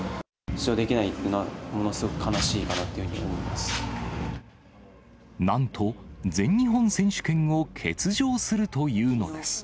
出場できないのはものすごく悲しいかなっていうふうに思いまなんと、全日本選手権を欠場するというのです。